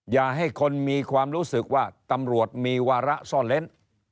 อย่าให้คนมีความรู้สึกว่าตำรวจมีวาระซ่อนเล้น